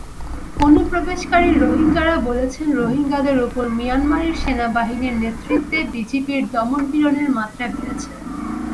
অনুপ্রবেশকারী রোহিঙ্গারা বলেছে, রোহিঙ্গাদের ওপর মিয়ানমারের সেনাবাহিনীর নেতৃত্বে বিজিপির দমন-পীড়নের মাত্রা বেড়েছে।